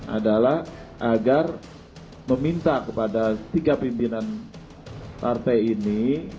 adalah agar meminta kepada tiga pimpinan partai ini